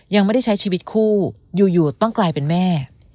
ยังไม่ได้ใช้ชีวิตคู่อยู่ต้องกลายเป็นแม่